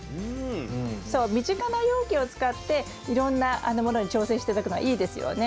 そう身近な容器を使っていろんなものに挑戦して頂くのはいいですよね。